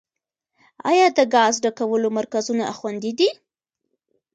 آیا د ګازو ډکولو مرکزونه خوندي دي؟